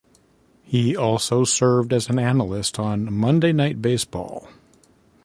He also served as an analyst on "Monday Night Baseball".